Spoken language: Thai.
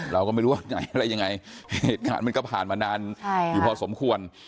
เราก็ไม่รู้ว่าไหนอะไรยังไงเหตุการณ์มันก็ผ่านมานานอยู่พอสมควร